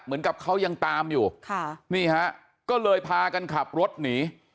เหมือนกับเขายังตามอยู่ค่ะนี่ฮะก็เลยพากันขับรถหนี